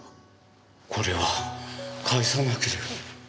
これは返さなければ。